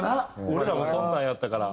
俺らもそんなんやったから。